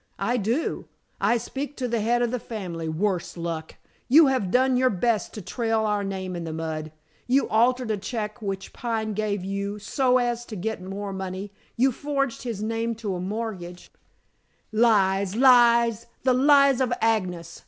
"I do. I speak to the head of the family, worse luck! You have done your best to trail our name in the mud. You altered a check which Pine gave you so as to get more money; you forged his name to a mortgage " "Lies, lies, the lies of Agnes!"